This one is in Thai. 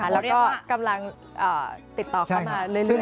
แล้วก็กำลังติดต่อเข้ามาเรื่อย